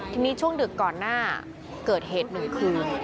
ทีนี้ช่วงดึกก่อนหน้าเกิดเหตุ๑คืน